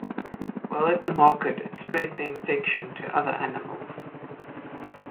While at the market it spread the infection to other animals.